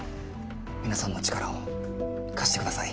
皆さんの力を貸してください。